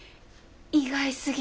意外すぎて。